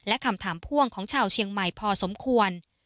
และคำถามพ่วงของชาวเชียงใหม่พอสมควร